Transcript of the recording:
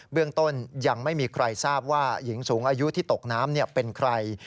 เรื่องต้นยังไม่มีใครทราบว่าหญิงสูงอายุที่ตกน้ำเป็นใคร